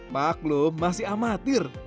maklum masih amatir